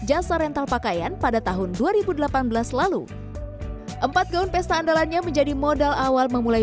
jasa rental pakaian pada tahun dua ribu delapan belas lalu empat gaun pesta andalannya menjadi modal awal memulai